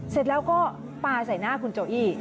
เสร็จแล้วก็ปลาใส่หน้าคุณโจอี้